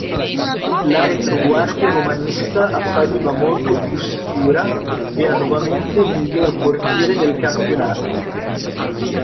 La retroguardia romanista appariva molto più sicura: era nuovamente il miglior portiere del campionato.